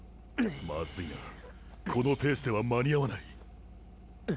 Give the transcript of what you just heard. まずいなこのペースでは間に合わない。